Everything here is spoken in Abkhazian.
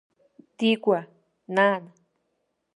Дигәа, нан.